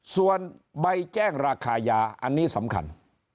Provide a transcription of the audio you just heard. ส่วนใบแจ้งราคายาอันนี้สำคัญ